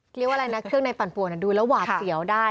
เรียกว่าอะไรนะเครื่องในปั่นป่วนดูแล้วหวาดเสียวได้